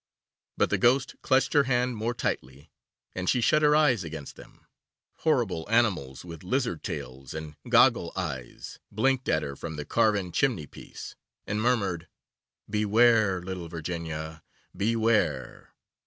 but the Ghost clutched her hand more tightly, and she shut her eyes against them. Horrible animals with lizard tails, and goggle eyes, blinked at her from the carven chimney piece, and murmured 'Beware! little Virginia, beware!